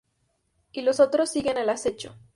Y Los Otros, siguen al acecho.